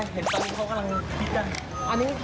เห็นตอนนี้เขากำลังคิดกัน